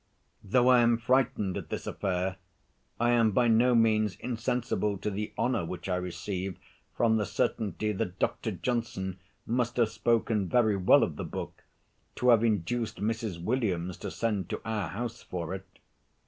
'" Though I am frightened at this affair, I am by no means insensible to the honor which I receive from the certainty that Dr. Johnson must have spoken very well of the book, to have induced Mrs. Williams to send to our house for it.